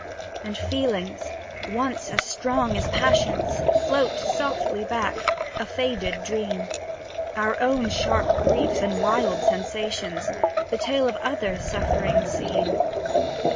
And feelings, once as strong as passions, Float softly back a faded dream; Our own sharp griefs and wild sensations, The tale of others' sufferings seem.